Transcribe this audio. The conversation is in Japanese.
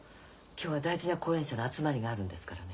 今日は大事な後援者の集まりがあるんですからね。